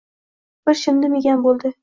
Bir chimdim yegan bo‘ldi.